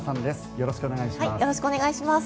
よろしくお願いします。